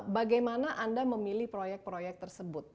bagaimana anda memilih proyek proyek tersebut